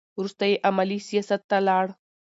وروسته یې عملي سیاست ته لاړ.